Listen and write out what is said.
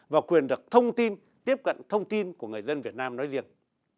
và quyền được thông tin tiếp cận thông tin của người dân việt nam nói riêng